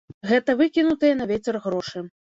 Гэта выкінутыя на вецер грошы.